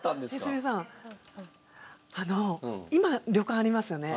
泉さんあの今旅館ありますよね。